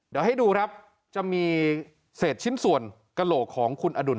เดี๋ยวให้ดูครับจะมีเศษชิ้นส่วนกระโหลกของคุณอดุล